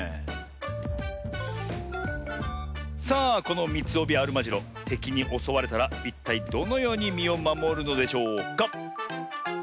さあこのミツオビアルマジロてきにおそわれたらいったいどのようにみをまもるのでしょうか？